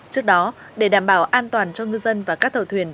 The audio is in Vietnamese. trước đó để đảm bảo an toàn cho ngư dân và các tàu thuyền